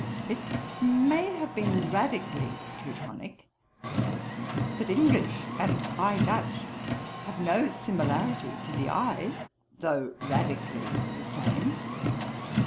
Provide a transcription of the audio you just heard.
'It may have been radically Teutonick; but English and High Dutch have no similarity to the eye, though radically the same.